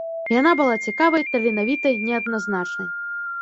Яна была цікавай, таленавітай, неадназначнай.